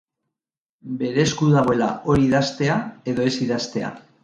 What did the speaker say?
Bere esku dagoela hori idaztea edo ez idaztea.